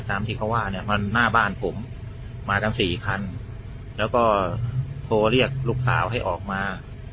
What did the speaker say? ตามที่เขาว่าเนี่ยมันหน้าบ้านผมมากันสี่คันแล้วก็โทรเรียกลูกสาวให้ออกมา